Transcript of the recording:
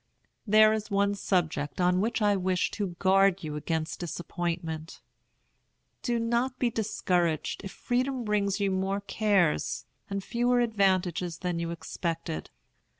There is one subject on which I wish to guard you against disappointment. Do not be discouraged if freedom brings you more cares and fewer advantages than you expected.